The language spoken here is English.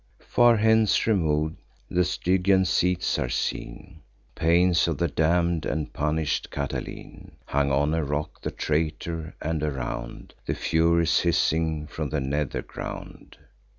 Far hence remov'd, the Stygian seats are seen; Pains of the damn'd, and punish'd Catiline Hung on a rock—the traitor; and, around, The Furies hissing from the nether ground.